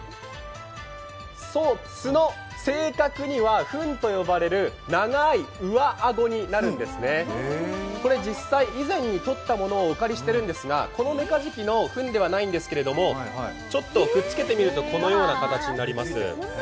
そう、角、正確にはふんと呼ばれる長い上顎になるんですね、実際に以前にとったものをお借りしてるんですがこのメカジキのふんではないんですけど、くっつけてみるとこのような形になります。